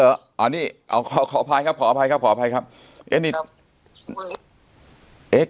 อ๋อเหรออ๋อนี่เอาขอขออภัยครับขออภัยครับขออภัยครับเอ๊ะนี่ครับ